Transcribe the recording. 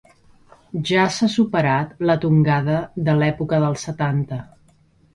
Ja s’ha superat la tongada de l’època dels setanta.